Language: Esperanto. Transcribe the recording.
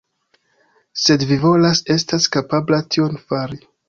Sed vi sola estas kapabla tion fari.